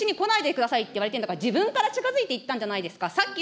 こっちに来ないでくださいって言われてるんだから、自分から近づいていったんじゃないですか。